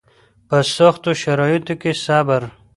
په سختو شرایطو کې صبر